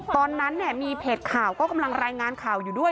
ตอนนั้นเนี่ยมีเพจข่าวก็กำลังรายงานข่าวอยู่ด้วย